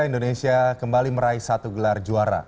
indonesia kembali meraih satu gelar juara